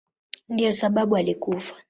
Ndiyo sababu alikufa.